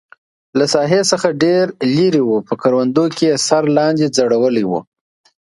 له ساحې څخه ډېر لرې و، په کروندو کې یې سر لاندې ځړولی و.